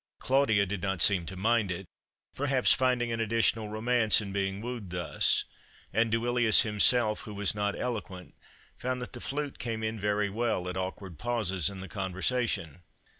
Claudia did not seem to mind it, perhaps finding an additional romance in being wooed thus; and Duilius himself, who was not eloquent, found that the flute came in very well at awkward pauses in the conversation.